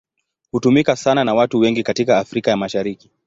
Hutumika sana na watu wengi katika Afrika ya Mashariki.